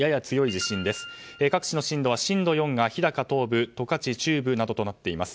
やや強い地震で各地震度４が日高東部、十勝中部などとなっています。